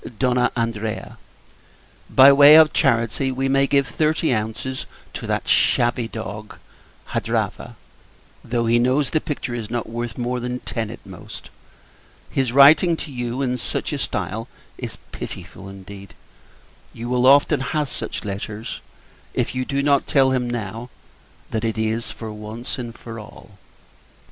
Andrea. By way of charity, we may give thirty ounces to that shabby dog, Hadrava; though he knows the picture is not worth more than ten at most. His writing to you in such a stile is pitiful indeed. You will often have such letters, if you do not tell him, now, that it is for once and all.